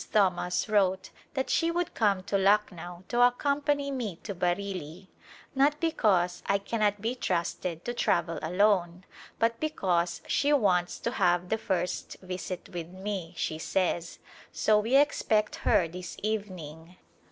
Thomas wrote that she would come to Lucknow to accompany me to Bareilly, not because I " cannot be trusted to travel alone (!)*' but because she wants to have the first visit with me, she says, so we expect her this evening.